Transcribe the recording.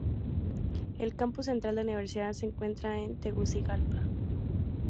El campus central de la universidad se encuentra en Tegucigalpa.